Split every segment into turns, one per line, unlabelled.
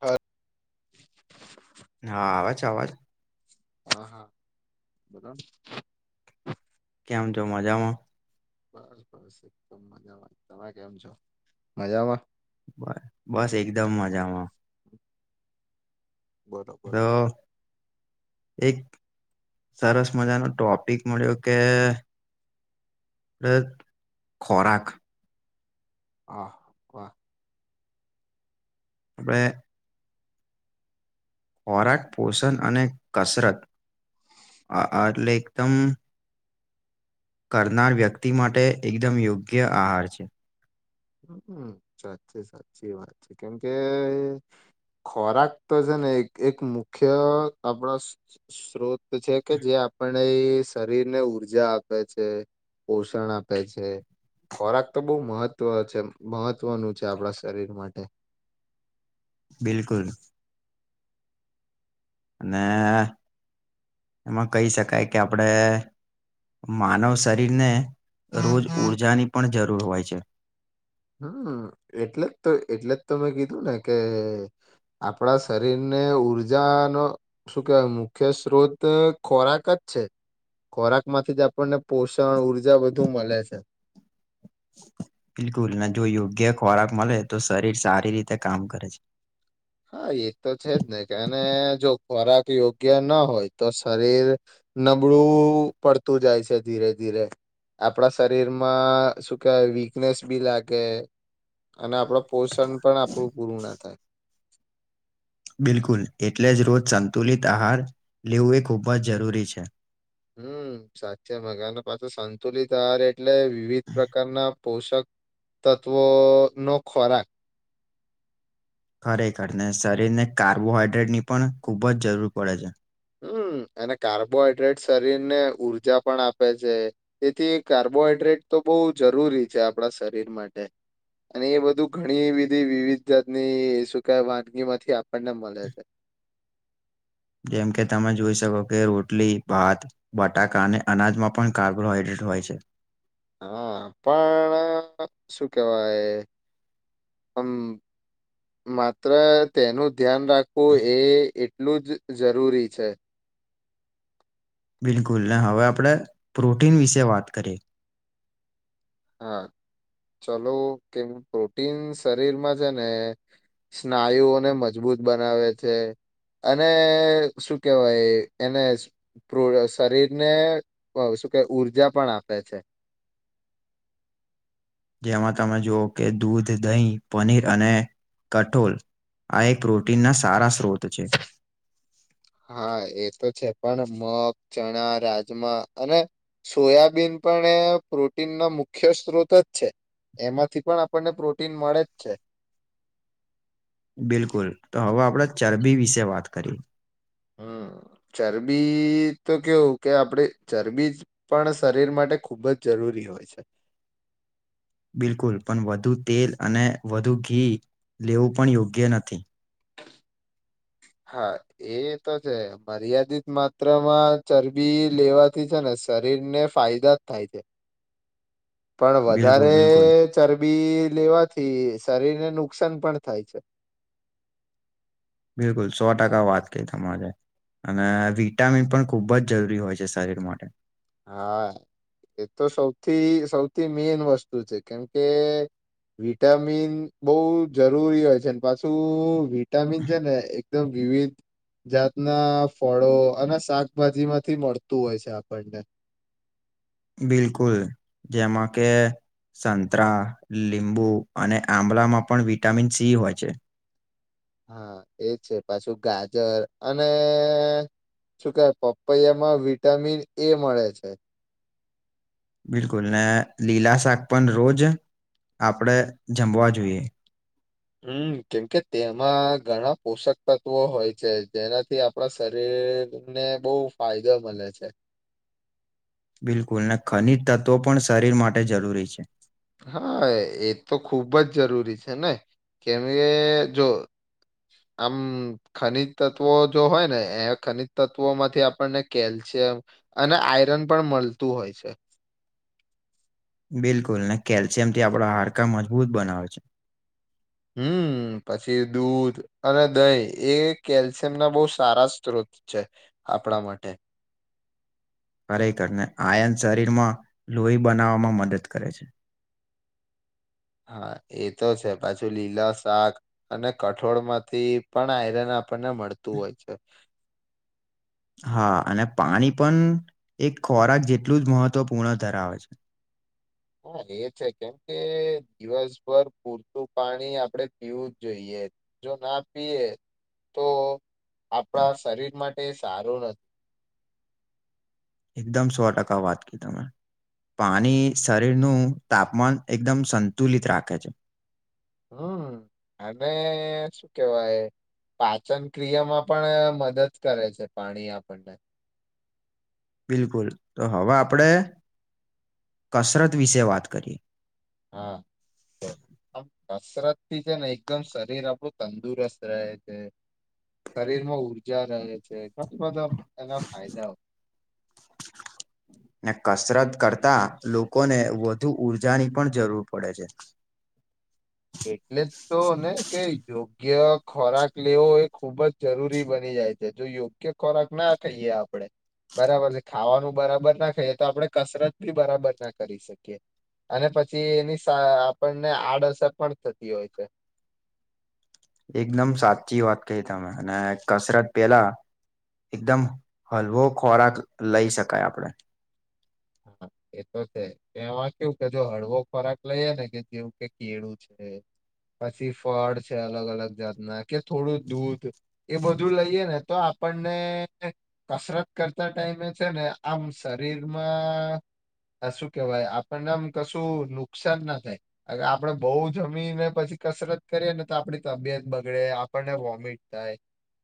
હા.
હા, આવે છે અવાજ?
હા. હા. બોલોને
કેમ છ મજામાં?
બસ બસ એકદમ મજામાં. તમે કેમ છો? મજામાં
બ બસ એકદમ મજામાં.
બરોબર.
તો એક સરસ મજાનો ટોપિક મળ્યો કે ર ખોરાક
હ ક
આપણેે ખોરાક પોષણ અને કસરત આ આટલે એકદમ કરનાર વ્યક્તિ માટે એકદમ યોગ્ય આહાર છે.
હમ. સાચી સાચી વાત છે, કેમ કે ખોરાક તો છે ને એક એક મુખ્ય આપણા સ્ત્રોત છે કે જે આપ એ શરીર ને ઊર્જા આપે છે, પોષણ આપે છે, ખોરાક તો બહુ મહત્વ છે મહત્વનું છે આપણા શરીર માટે
બિલકુલ. અને એમાં કહી શકાય કે આપડે માનવ શરીરને રોજ ઊર્જાની પણ જરૂર હોય છે.
હમ એટલે જ તો એટલે જ તો મેં કીધું ને કે આપણા શરીર અને ઉર્જા નો શું કેહેવાય મુખ્ય સ્ત્રોત ખોરાક જ છે. ખોરાકમાંથી જ આપણને પોષણ ઊર્જા બધુ મળે છે
બિલકુલ નેને જો યોગ્ય ખોરાક મળે તો શરીર સારી રીતે કામ કરે છે
હા, એ તો છે જ ને જો ખોરાક યોગ્ય ના હોય તો, શરીર નબળું પડતું જાય છે ધીરે ધીરે રે આપણા શરીરમાં શું કેવાય વીકનેસ બી લાગે અને આપડું પોષણ પણ આપણું પૂરું ના થાય
બિલકુલ, એટલે જ રોજ સંતુલિત આહાર લેવું એ ખૂબ જ જરૂરી છે.
હમ. સાચે મગને પાછ સંતુલિત આાર એટલે વિવિધ પ્રકારના પોષક તત્વો નો ખોરાક
ખરેખરને શરીરને કાર્બોહાઈડ્રેટની પણ ખૂબ જ જરૂર પડે છે.
હમ અને કાર્બોહાઈડ્રેટ શરીર ને ઉર્જા પણ આપે છે, તેથી કાર્બોહાઈડ્રેટ તો બ બહ જરૂરી છે આપણા શરીર માટે. અને એ બધું ઘણી બધી વિવિધ જાતની શું કવય વાનગીમાંથી આપણને મળે છે.
[inaudible] જેમ કે તમે જોઈ શકો કે રોટલી, ભાત, બટાકા અને અનાજમાં પણ કાર્બોહાઈડ્રેટ હોય છે. [inaudible]
હા. પણ શું કેવાય હમ માત્ર તેનું ધ્યાન રાખવું એ એટલું જ જરૂરી છે
બિલકુલ ને હવે આપણે પ્રોટીન વિશે વાત કરીએ.
હા ચલો કેમ પ્રોટીન શરીરમાં છે ને સ્નાયુઓને મજબૂત બનાવે છે અને શું કેહેવાય એને શરીરને શું કે ઉર્જા પણ આપે છે
જેમાં તમે જુઓ કે દૂધ દહીં પનીર અને કઠોલ આ એક રોટીનના સારા સ્ત્રોત છે.
હા એ તો છે પણ મગ ચણા રાજમા અને સોયાબીન પણ એ પ્રોટીનનો મુખ્ય સ્ત્રોત જ છે એમાંથી પણ આપણને પ્રોટીન મળે જ છે
બિલકુલ તો હવે આપણે ચરબી વિશે વાત કરી
હમ
[inaudible]
ચરબી તો કેવું કે આપડે ચરબી પણ શરીર માટે ખુબ જ જરૂરી હોય છે.
[inaudible] બિલકુલ પણ વધુ તેલ અને વધુ ઘી લેવું પણ યોગ્ય નથી.
હા એ તો છે મર્યાદિત માત્રામાં ચરબી લેવાથી છે ને શરીર ને ફાયદા જ થાય છે.
[inaudible]
પણ વધારે
બિલકુલ બિલકુલ
ચરબી બી લેવાથી શરીરને નુકસાન પણ થાય છે.
બિલકુલ સો ટકા વાત કઈ તમારે. અને વિટામિન પણ ખૂબ જ જરૂરી હોય છે શરીર માટે.
હા એ તો સૌથી સૌથી મેન વસ્તુ છે કેમ કે વિટામિન બહુ જરૂરી હોય છે પાછું વિટામિન છે ને એકદમ વિવિધ જાતના ફળો અને શાકભાજી માંથી મળતું હોય છે આપણને
બિલકુલ જેમાં કે સંતરા લીંબુ અને આંબળામાં પણ વિટામિન સી હોય છે.
હા એજ છે પાછું ગાજર અને શું કે પપૈયામાં વિટામિન એ મળે છે.
બિલકુલ ને લીલા શાક પણ રોજ આપણે જમવા જોઈએ.
હમ્મ કેમકે તેમાં ઘણા પોષક તત્વો હોય છે જેનાથી આપણા શરીર ને ને બહુ ફાયદો મળે છે.
બિલકુલ ને ખનિજ તત્વો પણ શરીર માટે જરૂરી છે.
હા એ તો ખુબ જ જરૂરી છે ને. કેમ એ જો આમ ખનિજ તત્વો જો હોય ને એ ખનિજ તત્વો માંથી આપણને કેલસી એમ અને આયરન પણ મળતું હોય છે.
બિલકુલ ને કેલ્શિયમથી આપણાો હાડકા મજબૂત બનાવે છે.
હમ પછી દૂધ અને દહીં એ કેલ્શિયમ ના બહુ સારા સ્ત્રોત છે આપણા માટે.
[inaudible] ખરેખરને આયન શરીરમાં લોહી બનાવવામાં મદદ કરે છે. [inaudible]
હા એ તો છે પાછું લીલા શાક અને કઠોળ માંથી પણ આયરન આપણને મળતું હોય છે.
[inaudible] હા અને પાણી પણ એક ખોરાક જેટલું જ મહત્વપૂર્ણ ધરાવે છે. [inaudible]
હા એ છે કેમ કે દિવસભર પૂરતું પાણી આપડે પીવું જ જોઈએ છે જો ના પીએ તો આપણા શરીર માટે સારું નથી.
એકદમ સો ટકા વાત કઈ તમે. પાણી શરીરનું તાપમાન એકદમ સંતુલિત રાખે છે.
હમ્મ અને શું કેવાય પાચન ક્રિયામાં પણ મદદ કરે છે પાણી આપણને.
બિલકુલ તો હવ આપણેે કસરત વિશે વાત કરીએ.
હા તો આમ કસરત થી છે ને એકદમ શરીર આપણું તંદુરસ્ત રહે છે શરીરમાં ઊર્જા રહે છે, ઘણા બધા એના ફાયદાઓ.
[inaudible] ને કસરત કરતા લોકોને વધુ ઉર્જાની પણ જરૂર પડે છે.
એટલે તો ને કે યોગ્ય ખોરાક લેવો એ ખુબ જ જરૂરી બની જાય છે. જો યોગ્ય ખોરાક ના ખઈએ આપણે. બરાબરને ખાવાનું બરાબર ના ખાઈએ તો આપડણે કસરત બી બરાબર ના કરી શકીએ. અને પછી એની આપણને આડઅસર પણ થતી હોય છે.
એકદમ સાચી વાત કહી તમે અને કસરત પેલા એકદમ હલવો ખોરાક લઈ શકાય આપણે.
હા એ તો છે એમાં કેવું કે જો હળવો ખોરાક લઈએ ને કે જેવું કે કેળું છે પછી ફળ છે અલગ અલગ જાતના કે થોડું દૂધ એ બધું લઈએે ને તો આપ પણને કસરત કરતા ટાઈમે છે ને આમ શરીર આ શું કહેવાય આપણને એમ કશું નુકસાન ના થાય આપડે બહુ જમીને પછ છી કસરત કરીએે ને તો આપણી તબિયત બગડે આપણને વોમિટ થાય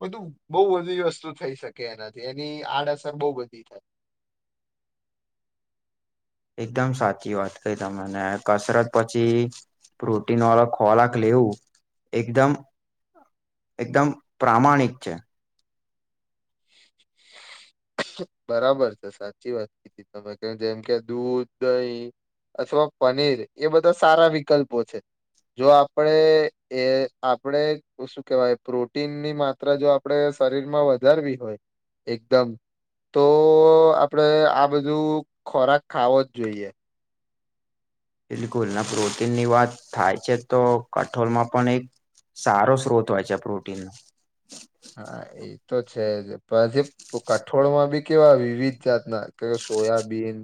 બધું બહુ બધી વસ્તુ થઈ શકે એનાથી એની આડઅસર બહું બધી થાય.
એકદમ સાચી વાત કઈ તમને કસરત પછી પ્રોટીન વાળો ખોરાક લેવું એકદમ એકદમ પ્રામાણિક છે.
બરાબર છે. સાચી વાત કીધી તમે કેર જેમ કે દૂધ, દહી અથવા પનીર એ બધા સારા વિકલ્પો છે. જો આપડે એ આપણેે શું કહેવાય પ્રોટીનની માત્રા જો આપણેે શરીર માં વધારવી હોય એકદમ તો આપડે આ બધું ખોરાક ખાવો જ જોઈએ.
બિલકુલ ના પ્રોટીનની વાત થાય છે તો કઠોળમાં પણ એક સારો શ્રોત હોય છે આ પ્રોટીન નો.
હા એતો છે પણ તો જો કઠોળમાં બી કેવા વિવિધ જાતના કે સોયાબીન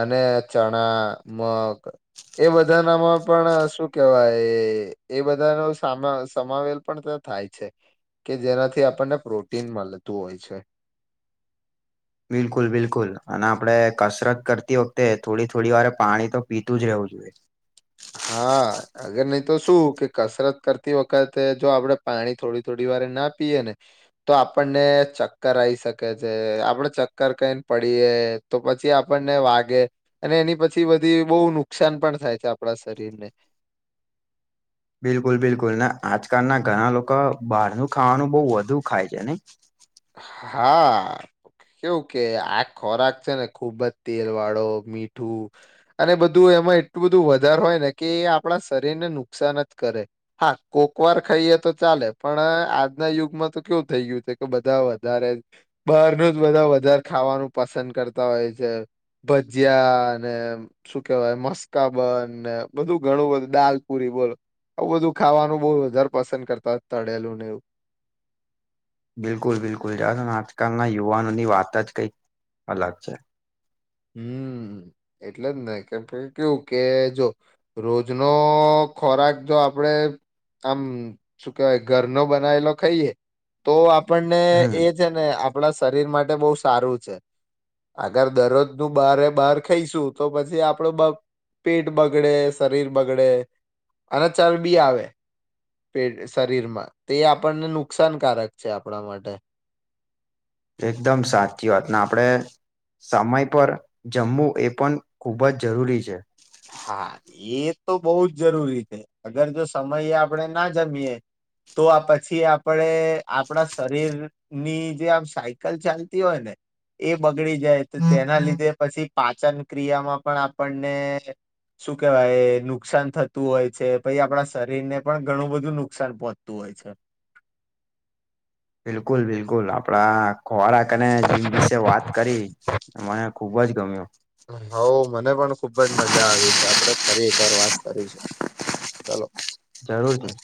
અને ચણા, મગ એ બધાનામાં પણ શું કેહેવાય એ બધાનો સામા સમાવેલ પણ થાય છે કે જેનાથી આપણને પ્રોટીન મળતું હોય છે.
બિલકુલ બિલકુલ અને આપડે કસરત કરતી વખતે થોડી થોડી વારે પાણી તો પીતું જ રેવું જોઈએ.
હા અગર નહી તો શું કે કસરત કરતી વખતે જો આપડે પાણી થોડી થોડી ના પીએ ને તો આપણને ચક્કર આવી શકે છે. આપડ ચક્કર ખાઈને પડી જીઅ તો પછી આપણને વાગે અને એની પછી બધી બહુ નુકસાન પણ થાય છે આપણા શરીરને.
બિલકુલ બિલકુલ ને આજકાલના ઘણા લોકો બહારનું ખાવાનું બવ વધુ ખાય છે ને?
હા. કેવું કે આ ખોરાક છે ને ખુબ જ તેલ વાળો મીઠું અને બધું એ. એટલું બધું વધારે હોય ને કે એ આપણા શરીરને નુકસાન જ કરે હા કોકવાર ખાઈએ. તો ચાલે પણ આજના યુગમાં તો કેવું થઈ ગયું છે કે. કરતાં વધારે બારનું જ બધા વધારે ખાવાનું પસંદ કરતા હોય છે. ભજીયા અનેને શું કેવાય મસ્કાબન ને બધું ઘણું બધું દાલપુરી. બોલો આવું બધું ખાવાનું બહું વધારે પસંદ કરતા હોય છે તળેલું ને એવું.
[inaudible] બિલકુલ બિલકુલ જવા દોને આજકાલના યુવાનોની વાત જ કંઈક અલગ છે.
હમ્મ. એટલેજને કેમકે કેવું કે જો રોજ નો ખોરાક જો આપડ. આપણે આમ શું કેવાય ઘરનો બનાવેલો ખાઈએ તો. આપણને
હમ
એ છે ને આપણા શરીર માટે બહુ સારું છે અગર દરરોજ. હું બારે બાર ખાઈશું તો પછી આપડે બ. પેટ બગડે શરીર બગડે અને ચરબી આવે. પેટ શરીરમાં તે આપણને નુકસાનકારક છે આપણા માટે.
એકદમ સાચી વાત ને આપણે. સમય પર જમવું એ પણ ખૂબ જ જરૂરી છે.
હા એ તો બહુ જ જરૂરી છે અગર જો સમયે આપણે ના જમીએ. તો આ પછી આપણે આપણા શરીરની જે આમ સાયકલ ચાલતી હોય ને. એ બગડી જાય તો તેના લીધે પછી પાચન ક્રિયામાં પણ આપણને. શું કેવાય નુકસાન થતું હોય છે, પછી આપણા શરીર ને પણ ઘણું બધું નુકસાન પહોંચતું. હોય છે.
બિલકુલ બિલકુલ આપડા. ખોરાક અને જીમ વિશે વાત કરી મને ખુબ જ ગમ્યો.
હઉ મને પણ ખુબ જ મજા આવી છે આપડે ફરી એકવાર વાત કરીશું. ચલો.
જરૂરથી.